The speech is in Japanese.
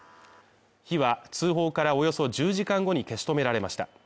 火は通報からおよそ１０時間後に消し止められました。